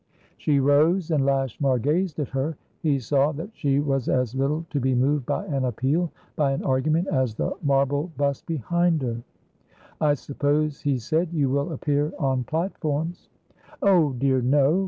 She rose, and Lashmar gazed at her. He saw that she was as little to be moved by an appeal, by an argument, as the marble bust behind her. "I suppose," he said, "you will appear on platforms?" "Oh dear no!"